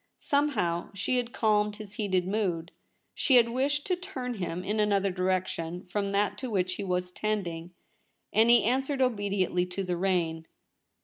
Somehow she had calmed his heated mood. She had wished to turn him in another direction from that to which he was tending, and he answered obediently to the rein.